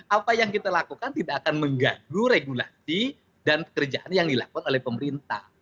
apa yang kita lakukan tidak akan mengganggu regulasi dan pekerjaan yang dilakukan oleh pemerintah